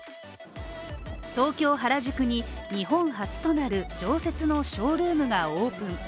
東京・原宿に日本初となる常設のショールームがオープン。